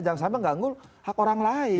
jangan sampai mengganggu hak orang lain